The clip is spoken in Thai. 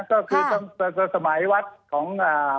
ก็คือตั้งแต่สมัยวัดของ